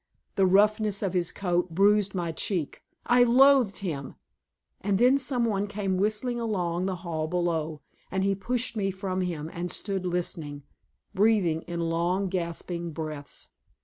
The roughness of his coat bruised my cheek; I loathed him. And then someone came whistling along the hall below, and he pushed me from him and stood listening, breathing in long, gasping breaths.